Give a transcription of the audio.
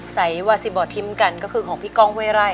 สายวาสิบอทิมกันก็คือของพี่กองเวไร